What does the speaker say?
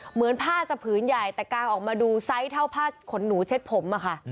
เหมือนผ้าจะผืนใหญ่แต่กางออกมาดูไซส์เท่าผ้าขนหนูเช็ดผมอะค่ะ